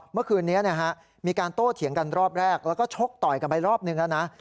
เมื่อคืนนี้มีการโต้เถียงกันรอบแรกแล้วก็ชกต่อยกันไปรอบนึงแล้วนะ